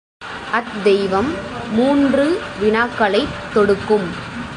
அத்தெய்வம் மூன்று வினாக்களைத் தொடுக்கும்.